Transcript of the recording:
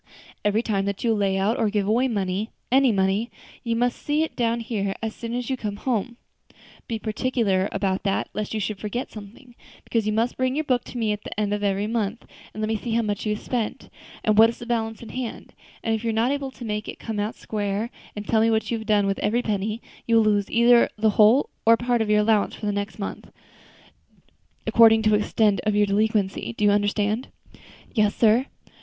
Every time that you lay out or give away any money, you must set it down here as soon as you come home; be particular about that, lest you should forget something, because you must bring your book to me at the end of every month, and let me see how much you have spent, and what is the balance in hand; and if you are not able to make it come out square, and tell me what you have done with every penny, you will lose either the whole or a part of your allowance for the next month, according to the extent of your delinquency. Do you understand?" "Yes, sir."